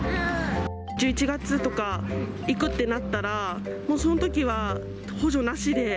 １１月とか行くってなったら、もうそのときは補助なしで？